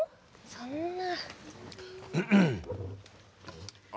そんな。